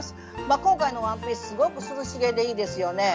今回のワンピースすごく涼しげでいいですよね。